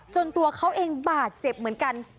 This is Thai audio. ตัวเขาเองบาดเจ็บเหมือนกัน